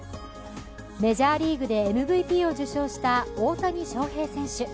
メジャーリーグでМＶＰを受賞した大谷翔平選手。